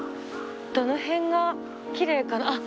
どの辺がきれいかな。